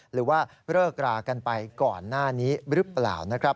หรือว่าเลิกรากันไปก่อนหน้านี้หรือเปล่านะครับ